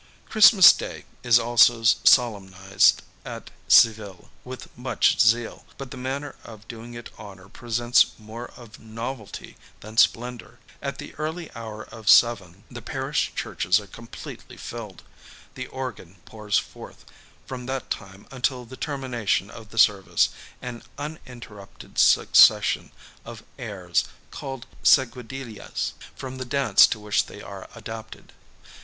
Christmas day is also solemnized at Seville, with much zeal; but the manner of doing it honour presents more of novelty than splendour. At the early hour of seven the parish churches are completely filled. The organ pours forth, from that time until the termination of the service, an uninterrupted succession of airs, called seguidillas, from the dance to which they are adapted.